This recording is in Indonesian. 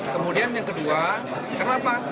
kemudian yang kedua kenapa